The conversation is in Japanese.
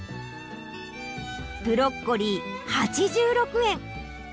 ブロッコリー８６円。